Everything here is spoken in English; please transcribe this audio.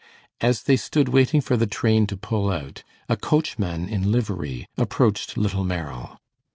As they stood waiting for the train to pull out, a coachman in livery approached little Merrill.